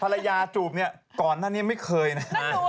ภรรยาจูบก่อนนั้นไม่เคยนะ